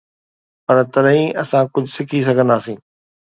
پر تڏهن ئي اسان ڪجهه سکي سگهنداسين.